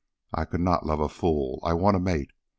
I could not love a fool. I want a mate.